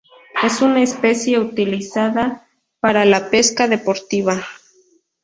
Es una especies utilizada para la pesca deportiva.